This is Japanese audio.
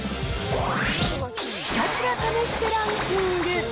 ひたすら試してランキング。